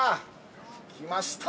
来ました。